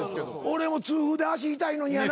俺も痛風で足痛いのにやな。